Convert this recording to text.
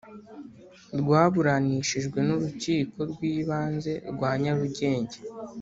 rwaburanishijwe n Urukiko rw Ibanze rwa Nyarugenge